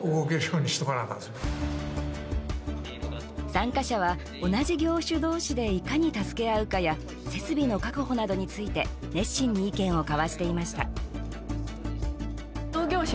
参加者は、同じ業種同士でいかに助け合うかや設備の確保などについて熱心に意見を交わしていました。